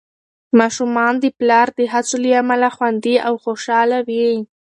ماشومان د پلار د هڅو له امله خوندي او خوشحال وي.